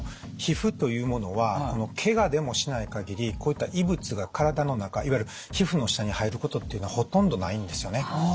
皮膚というものはケガでもしない限りこういった異物が体の中いわゆる皮膚の下に入ることっていうのはほとんどないんですよね。